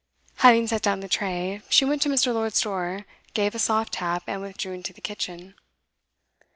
Having set down the tray, she went to Mr. Lord's door, gave a soft tap, and withdrew into the kitchen.